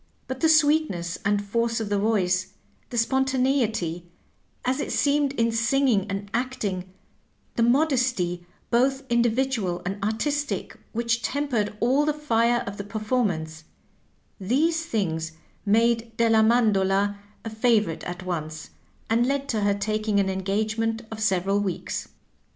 But the sweetness and force of the voice ; the spontaneity, as it seemed, in singing and acting ; the modesty, both individual and artistic, which tempered all the fire of the performance ; these things made Delia Mandola a favorite at once, and led to her taking an engagement of several weeks.